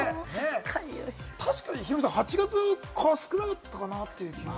確かにヒロミさん、８月、蚊少なかったかなという気が。